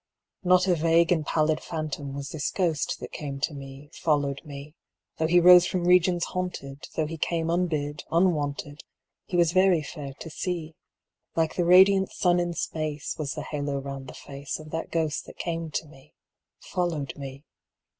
Not a vague and pallid phantom Was this ghost that came to me, followed me: Though he rose from regions haunted, Though he came unbid, unwanted, He was very fair to see. Like the radiant sun in space Was the halo round the face Of that ghost that came to me, followed me.